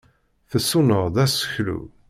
Tessuneɣ-d aseklu.